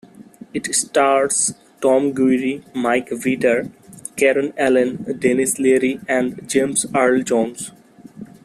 It stars Tom Guiry, Mike Vitar, Karen Allen, Denis Leary and James Earl Jones.